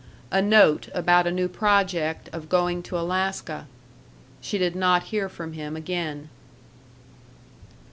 A note about a new project of going to Alaska. She did not hear from him again.